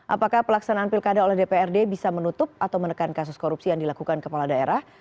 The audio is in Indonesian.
apakah pelaksanaan pilkada oleh dprd bisa menutup atau menekan kasus korupsi yang dilakukan kepala daerah